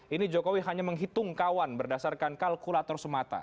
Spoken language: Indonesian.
ini jokowi hanya menghitung kawan berdasarkan kalkulator semata